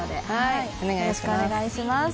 いお願いします